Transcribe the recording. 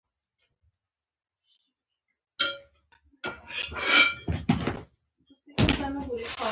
ځايي وګړي د مکسیکو په څېر استثمار نه کېدل.